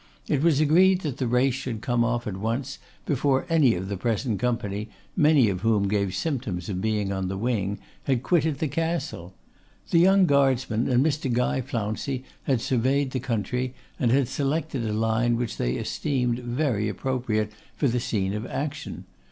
It was agreed that the race should come off at once, before any of the present company, many of whom gave symptoms of being on the wing, had quitted the Castle. The young guardsman and Mr. Guy Flouncey had surveyed the country and had selected a line which they esteemed very appropriate for the scene of action.